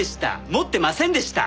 持ってませんでした。